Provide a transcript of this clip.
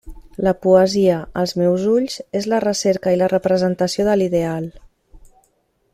La poesia, als meus ulls, és la recerca i la representació de l'ideal.